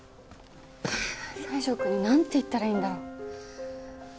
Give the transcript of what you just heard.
西条くんになんて言ったらいいんだろ。